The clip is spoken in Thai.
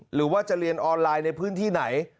หรือว่าจะเรียนออนไลน์ในพื้นที่ไหน